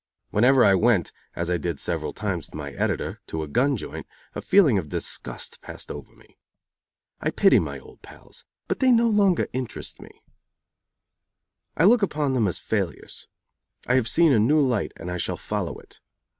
Whenever I went, as I did several times with my editor, to a gun joint, a feeling of disgust passed over me. I pity my old pals, but they no longer interest me. I look upon them as failures. I have seen a new light and I shall follow it.